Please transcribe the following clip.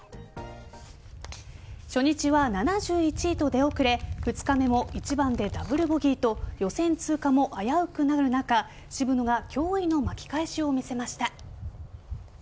初日は７１位と出遅れ２日目も１番でダブルボギーと予選通過も危うくなる中渋野が驚異の巻き返しを見せました。